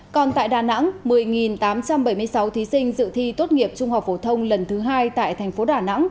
còn tại đà nẵng một mươi tám trăm bảy mươi sáu thí sinh dự thi tốt nghiệp trung học phổ thông lần thứ hai tại thành phố đà nẵng